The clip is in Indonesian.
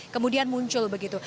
kemudian muncul begitu